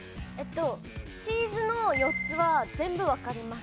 チーズの４つは全部わかります。